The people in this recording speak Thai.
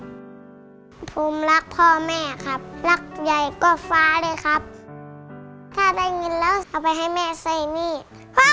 รักใหญ่กว่าฟ้าเลยครับ